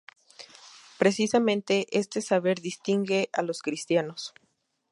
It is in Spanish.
Precisamente este saber distingue a los cristianos.